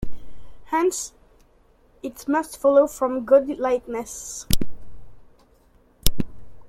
Hence, it must follow from Godlikeness.